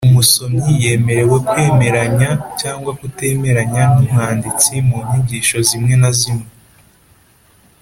Umusomyi yemerewe kwemeranya cyangwa kutemeranya n’umwanditsi mu nyigisho zimwe na zimwe.